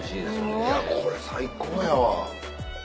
いやこれ最高やわ。